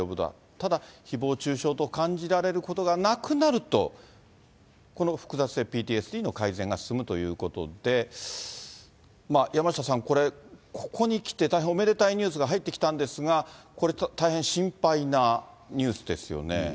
ただひぼう中傷と感じられることがなくなると、この複雑性ＰＴＳＤの改善が進むということで、山下さん、これ、ここにきて大変おめでたいニュースが入ってきたんですが、これ、大変心配なニュースですよね。